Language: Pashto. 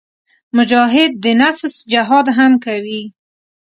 مجاهد د نفس جهاد هم کوي.